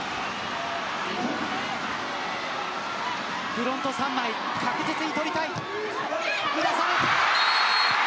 フロント３枚、確実に取りたい。